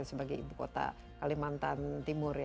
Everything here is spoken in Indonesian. sebagai ibu kota kalimantan timur ya